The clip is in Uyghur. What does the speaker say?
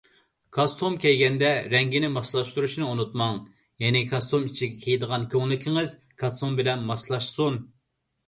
كاستۇم كىيگەندە رەڭگىنى ماسلاشتۇرۇشنى ئۇنتۇماڭ، يەنى كاستۇم ئىچىگە كىيىدىغان كۆڭلىكىڭىز كاستۇم بىلەن ماسلاشسۇن.